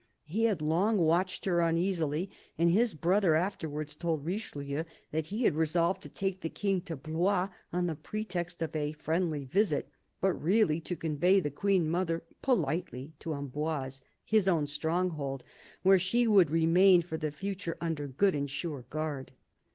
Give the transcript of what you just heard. He had long watched her uneasily; and his brother afterwards told Richelieu that he had resolved to take the King to Blois on the pretext of a friendly visit, but really to convey the Queen mother " politely " to Amboise, his own stronghold, where " she would remain for the future under good and sure guard."